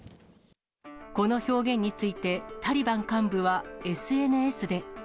この表現について、タリバン幹部はＳＮＳで。